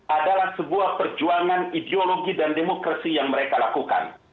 adalah sebuah perjuangan ideologi dan demokrasi yang mereka lakukan